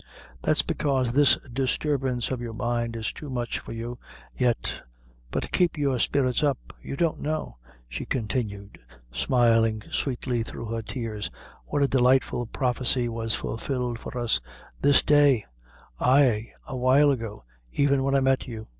"That's bekaise this disturbance of your mind is too much for you yet but keep your spirits up; you don't know," she continued, smiling sweetly through her tears; "what a delightful prophecy was fulfilled for us this day ay, awhile ago, even when I met you."